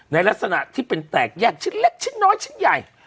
ในลักษณะที่เป็นแตกแยกชิ้นเล็กชิ้นน้อยชิ้นใหญ่